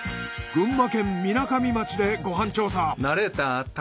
群馬県みなかみ町でご飯調査。